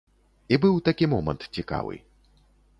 І быў такі момант цікавы.